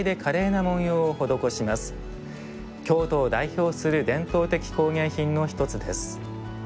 京都を代表する伝統的工芸品の一つです。